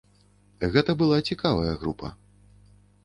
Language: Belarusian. Гэта была цікавая група.